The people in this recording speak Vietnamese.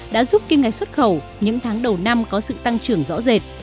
đã giúp kim ngạch xuất khẩu những tháng đầu năm có sự tăng trưởng rõ rệt